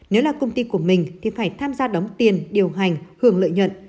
nếu là công ty của mình thì phải tham gia đóng tiền điều hành hưởng lợi nhuận